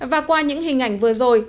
và qua những hình ảnh vừa rồi